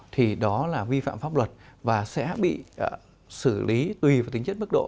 thì đó là vi phạm pháp luật và sẽ bị xử lý tùy vào tính chất mức độ